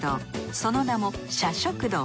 その名も社食堂。